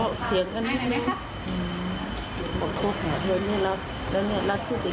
แล้วเนี่ยรับคู่กับเขาอย่างนี้จะโดดเขาไม่เจอเลย